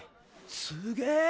すげえ！